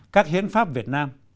các hiến pháp việt nam